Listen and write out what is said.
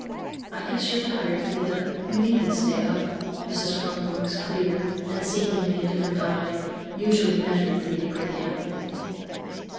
"I guess you're tired, Thea. You needn't stay up." Mrs. Kronborg's clear and seemingly indifferent eye usually measured Thea pretty accurately.